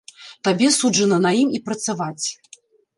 Табе суджана на ім і працаваць.